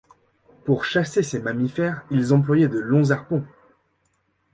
Pour chasser ces mammifères, ils employaient de longs harpons.